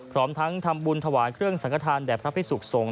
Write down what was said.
พร้อมทั้งทำบุญถวายเครื่องสังฆฐานแด่พระพิสุขสงฆ